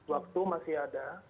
waktu masih ada